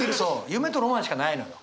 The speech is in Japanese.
夢とロマンしかないのよ。